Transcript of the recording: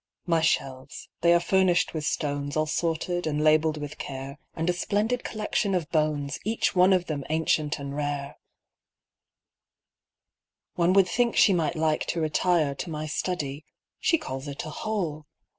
My shelves, they are furnished with stones All sorted and labelled with care, And a splendid collection of bones, Each one of them ancient and rare ; One would think she might like to retire To my studyâ she calls it a " hole